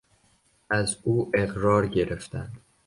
از او اقرار گرفتند.